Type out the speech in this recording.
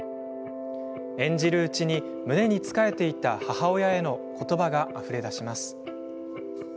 演じるうちに、胸につかえていた母親へのことばがあふれだします。